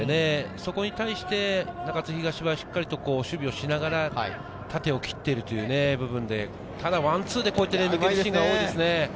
そこに対して中津東はしっかり守備をしながら縦を切ってという部分でただ、ワンツーで抜けるシーンが多いですね。